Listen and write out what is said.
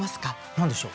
何でしょう？